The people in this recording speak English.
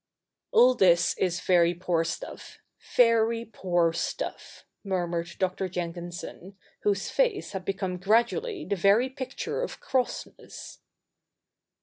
' All this is very poor stuff — very poor stuff,' murmured Dr. Jenkinson, whose face had become gradually the very picture of crossness.